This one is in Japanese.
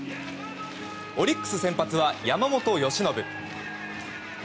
オリックス先発は山本由伸。